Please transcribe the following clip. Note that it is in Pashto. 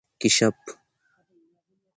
🐢 کېشپ